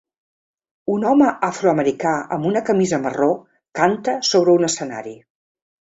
Un home afroamericà amb una camisa marró canta sobre un escenari.